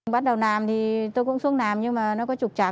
bắt đầu nàm thì tôi cũng xuống nàm nhưng mà nó có trục trặc